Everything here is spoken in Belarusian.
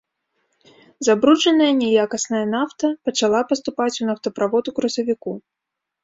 Забруджаная няякасная нафта пачала паступаць у нафтаправод у красавіку.